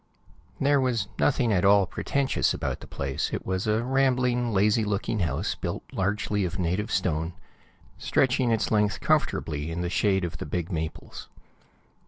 There was nothing at all pretentious about the place; it was a rambling, lazy looking house built largely of native stone, stretching its length comfortably in the shade of the big maples.